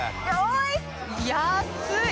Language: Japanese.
安い！